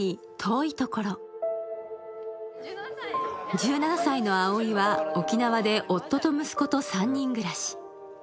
１７歳のアオイは沖縄で夫と息子と３人暮らし。